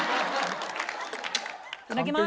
いただきます！